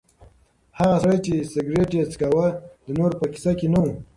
هغه سړی چې سګرټ یې څکاوه د نورو په کیسه کې نه و.